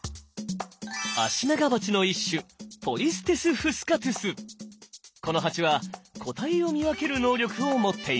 アシナガバチの一種このハチは個体を見分ける能力を持っています。